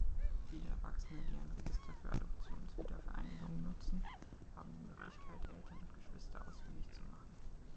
Viele Erwachsene, die ein Register für Adoptionswiedervereinigungen nutzen, haben die Möglichkeit, Eltern und Geschwister ausfindig zu machen.